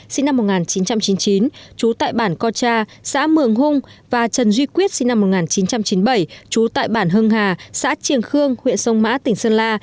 sinh năm một nghìn chín trăm chín mươi chín trú tại bản co cha xã mường hung và trần duy quyết sinh năm một nghìn chín trăm chín mươi bảy trú tại bản hưng hà xã triềng khương huyện sông mã tỉnh sơn la